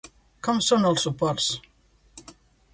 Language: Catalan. Com són els suports?